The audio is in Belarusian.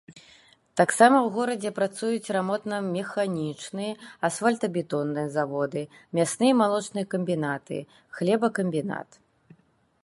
Таксама ў горадзе працуюць рамонтна-механічны, асфальтабетонны заводы, мясны і малочны камбінаты, хлебакамбінат.